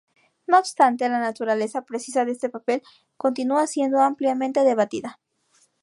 No obstante, la naturaleza precisa de este papel continúa siendo ampliamente debatida.